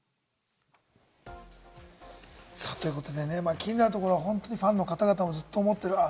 気になるところは本当にファンの方々もずっと待っている。